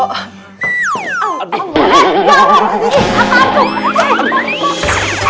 eh apaan tuh